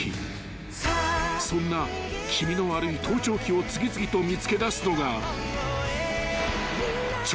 ［そんな気味の悪い盗聴器を次々と見つけ出すのが］